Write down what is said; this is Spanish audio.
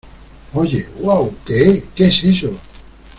¡ Oye! ¡ uau !¿ qué? ¿ qué es eso ?